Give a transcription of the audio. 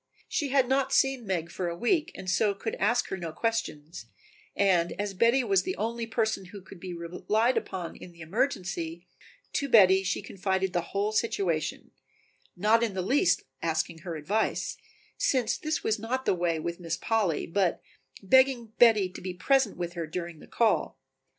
She had not seen Meg for a week and so could ask her no questions, and as Betty was the only person who could be relied upon in the emergency, to Betty she confided the whole situation, not in the least asking her advice, since this was not the way with Mistress Polly, but begging Betty to be present with her during the call.